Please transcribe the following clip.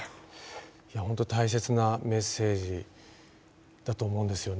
本当に大切なメッセージだと思うんですよね。